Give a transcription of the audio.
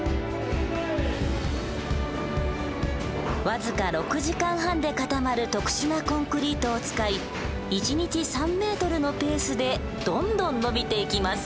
僅か６時間半で固まる特殊なコンクリートを使い１日３ｍのペースでどんどん延びていきます。